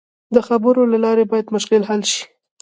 د خبرو له لارې باید مشکل حل شي.